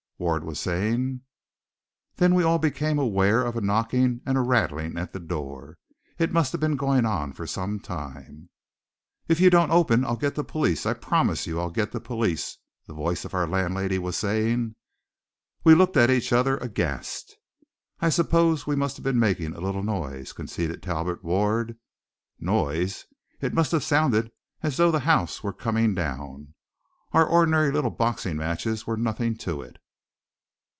Ward was saying. Then we all became aware of a knocking and a rattling at the door. It must have been going on for some time. "If you don't open, I'll get the police! I promise you, I'll get the police!" the voice of our landlady was saying. We looked at each other aghast. "I suppose we must have been making a little noise," conceded Talbot Ward. Noise! It must have sounded as though the house were coming down. Our ordinary little boxing matches were nothing to it.